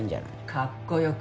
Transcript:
かっこよく。